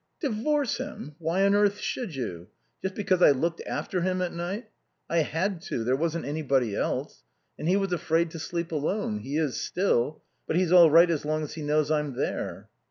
"Divorce him? Why on earth should you? Just because I looked after him at night? I had to. There wasn't anybody else. And he was afraid to sleep alone. He is still. But he's all right as long as he knows I'm there."